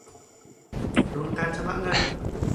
ดุลการชำระเงิน